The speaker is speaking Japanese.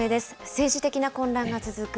政治的な混乱が続く